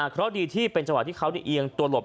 เขาดีที่เป็นเจาะที่เขาได้เอียงตัวหลบ